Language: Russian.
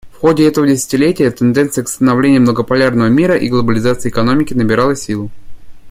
В ходе этого десятилетия тенденция к становлению многополярного мира и глобализации экономики набирала силу.